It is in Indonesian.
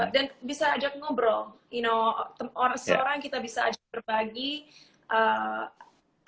dan bisa ajak ngobrol kamu tahu teman kita terbaik